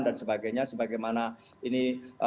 dan sebagainya sebagaimana ini